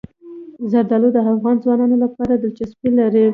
زردالو د افغان ځوانانو لپاره دلچسپي لري.